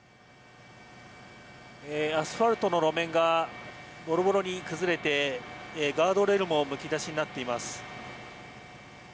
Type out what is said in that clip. アスファルトの路面がボロボロに崩れてガードレールもむき出しになっています。